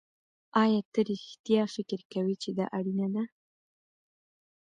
ایا ته رښتیا فکر کوې چې دا اړینه ده